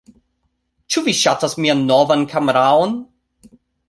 Ĉu vi ŝatas mian novan kameraon?